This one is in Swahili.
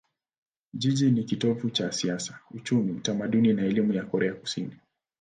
Jiji ni kitovu cha siasa, uchumi, utamaduni na elimu ya Korea Kusini.